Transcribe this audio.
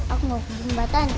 aku mau ke jembatan